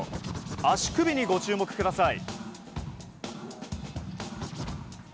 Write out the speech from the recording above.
足首にご注目ください。